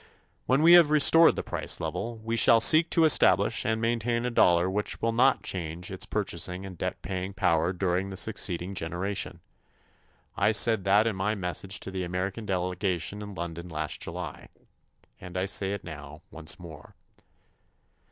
When we have restored the price level, we shall seek to establish and maintain a dollar which will not change its purchasing and debt paying power during the succeeding generation. I said that in my message to the American delegation in London last July. And I say it now once more.